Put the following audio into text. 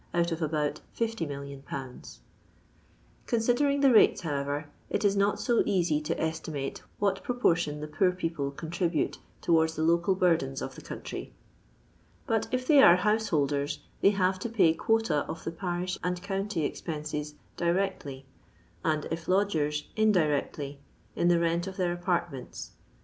out of about 50,000,000/. Con coming the rates, however, it is not so easy to estimate what proportion the poor people con tribute towards the local burdens of the country ; but if they are householders, they have to pay quota of the parish and county expenses directly, and, if lodgers, indirectly in the rent of their apartments.